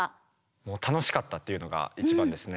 楽しかったっていうのが一番ですね。